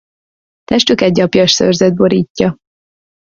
Testüket gyapjas szőrzet borítja.